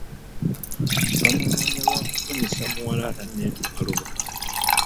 Bamunoonya lwa kufunisa muwala atanetuuka lubuto.